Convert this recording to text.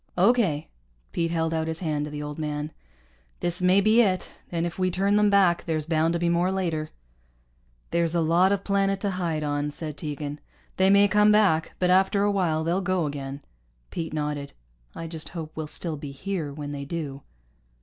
"Okay." Pete held out his hand to the old man. "This may be it. And if we turn them back, there's bound to be more later." "There's a lot of planet to hide on," said Tegan. "They may come back, but after a while they'll go again." Pete nodded. "I just hope we'll still be here when they do."